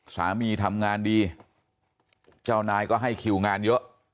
สามีทำงานดีเจ้านายก็ให้คิวงานเยอะ